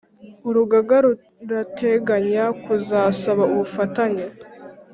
Urugaga rurateganya kuzasaba ubufatanye